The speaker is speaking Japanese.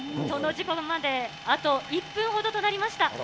その時間まであと１分ほどとなりました。